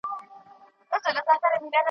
عدالت د قانون روح دی.